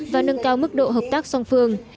và nâng cao mức độ hợp tác song phương